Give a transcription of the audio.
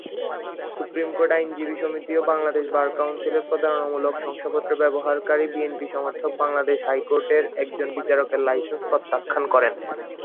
Supreme court আইনজীবী সমিতি ও বাংলাদেশ বার কাউন্সিলের প্রতারণামূলক শংসাপত্র ব্যবহার কারী বিএনপি-সমর্থক বাংলাদেশ হাইকোর্টের একজন বিচারকের লাইসেন্স প্রত্যাখ্যান করেন।